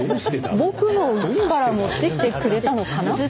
僕のうちから持ってきてくれたのかな？